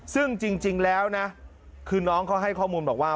ซึ่งจริงแล้วนะคือน้องเขาให้ข้อมูลบอกว่า